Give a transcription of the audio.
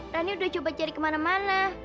rani udah coba cari kemana mana